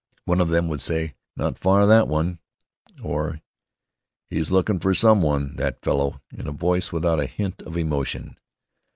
One of them would say, "Not far, that one"; or, "He's looking for some one, that fellow," in a voice without a hint of emotion.